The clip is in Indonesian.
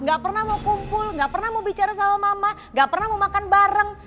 gak pernah mau kumpul gak pernah mau bicara sama mama gak pernah mau makan bareng